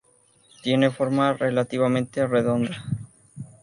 Tiene forma relativamente redonda.